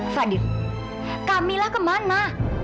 fadil kamilah kemana